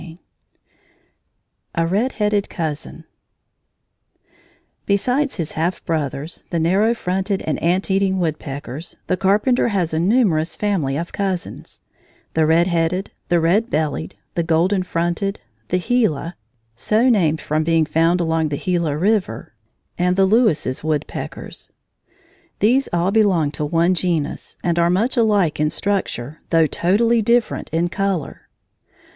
IX A RED HEADED COUSIN Besides his half brothers, the narrow fronted and ant eating woodpeckers, the Carpenter has a numerous family of cousins, the red headed, the red bellied, the golden fronted, the Gila, and the Lewis's woodpeckers. These all belong to one genus, and are much alike in structure, though totally different in color.